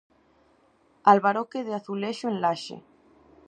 Albaroque de azulexo en Laxe.